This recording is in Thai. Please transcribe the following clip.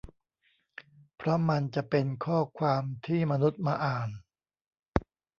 เพราะมันจะเป็นข้อความที่มนุษย์มาอ่าน